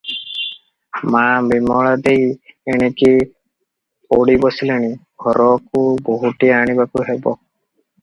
ମା ବିମଳା ଦେଈ ଏଣିକି ଅଡ଼ି ବସିଲେଣି, ଘରକୁ ବୋହୁଟିଏ ଆଣିବାକୁ ହେବ ।